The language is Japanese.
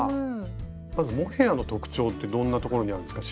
まずモヘアの特徴ってどんなところにあるんですか？